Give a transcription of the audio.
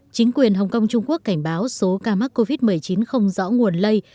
chính quyền hồng kông trung quốc cảnh báo số ca mắc covid một mươi chín không rõ nguồn lây